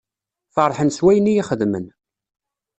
Ferḥen s wayen iyi-xedmen.